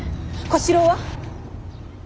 小四郎は。